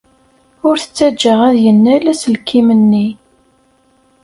Ur t-ttajja ad yennal aselkim-nni.